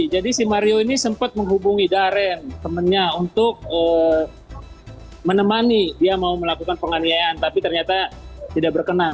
jadi si mario ini sempat menghubungi darren temannya untuk menemani dia mau melakukan penganiayaan tapi ternyata tidak berkenan